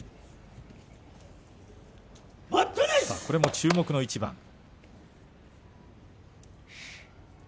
これも注目の一番。